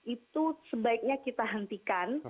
itu sebaiknya kita hentikan